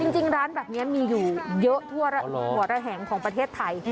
จริงร้านแบบนี้มีอยู่เยอะทั่วหัวระแหงของประเทศไทย